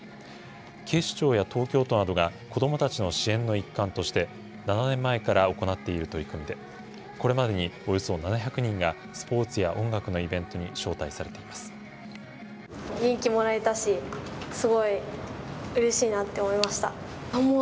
警視庁や東京都などが子どもたちの支援の一環として７年前から行っている取り組みで、これまでにおよそ７００人が、スポーツや音楽のイベントに招待されています。